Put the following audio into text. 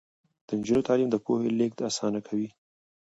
د نجونو تعلیم د پوهې لیږد اسانه کوي.